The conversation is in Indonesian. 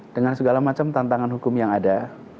dengan segala macam tantangan hukum yang ada